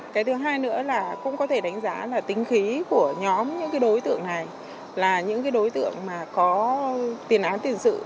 cái thứ hai nữa là cũng có thể đánh giá là tính khí của nhóm những đối tượng này là những đối tượng mà có tiền án tiền sự